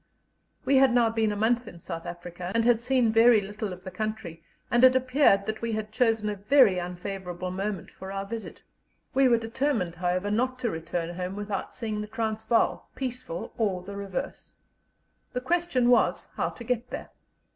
We had now been a month in South Africa, and had seen very little of the country, and it appeared that we had chosen a very unfavourable moment for our visit. We were determined, however, not to return home without seeing the Transvaal, peaceful or the reverse. The question was, how to get there.